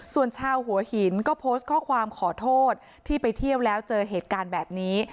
ส่วนชาวหัวหินก็โพสต์ข้อความขอโทษที่ไปเที่ยวแล้วเจอเหตุการณ์แบบนี้